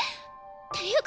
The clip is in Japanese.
ていうか